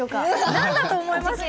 何だと思いますか？